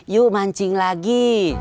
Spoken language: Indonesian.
yuk mancing lagi